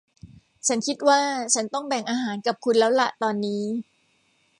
ฉันคิดว่าฉันต้องแบ่งอาหารกับคุณแล้วล่ะตอนนี้